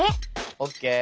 オッケー。